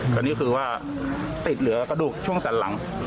ตอนนี้คือว่าติดเหลือกระดูกช่วงสันหลัง